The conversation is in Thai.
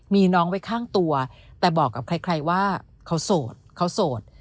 มีน้องไว้ข้างตัวแต่บอกกับใครว่าเขาโสดเขาโสด